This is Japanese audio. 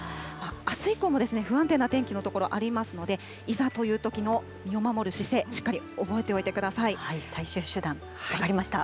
あす以降も不安定な天気の所、ありますので、いざというときの身を守る姿勢、しっかり覚えておい最終手段、分かりました。